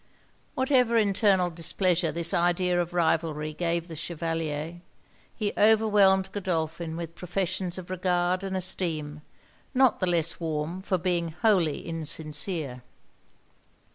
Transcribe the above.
Whatever internal displeasure this idea of rivalry gave the Chevalier, he overwhelmed Godolphin with professions of regard and esteem, not the less warm for being wholly insincere.